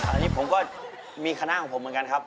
อันนี้ผมก็มีคณะของผมเหมือนกันครับ